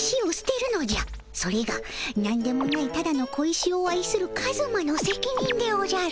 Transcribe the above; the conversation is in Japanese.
それがなんでもないただの小石を愛するカズマのせきにんでおじゃる。